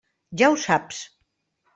Ja ho saps.